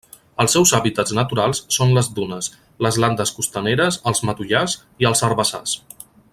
Els seus hàbitats naturals són les dunes, les landes costaneres, els matollars i els herbassars.